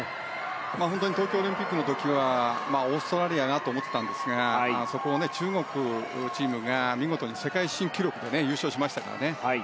東京オリンピックの時はオーストラリアかと思っていたんですがそこを中国のチームが見事に世界新記録で優勝しましたからね。